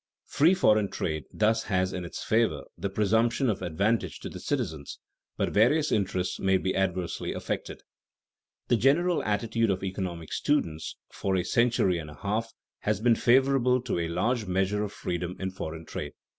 _Free foreign trade thus has in its favor the presumption of advantage to the citizens; but various interests may be adversely affected._ The general attitude of economic students for a century and a half has been favorable to a large measure of freedom in foreign trade.